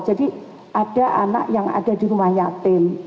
jadi ada anak yang ada di rumah yatim